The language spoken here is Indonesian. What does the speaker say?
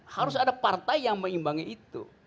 harus ada partai yang mengimbangi itu